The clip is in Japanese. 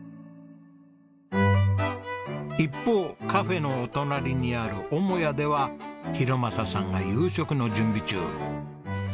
一方カフェのお隣にある母屋では博正さんが夕食の準備中。